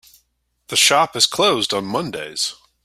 The shop is closed on mondays.